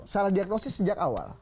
salah diagnosis sejak awal